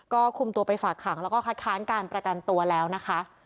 ก็คุมตัวไปฝากขังแล้วก็คัดค้านการประกันตัวแล้วนะคะ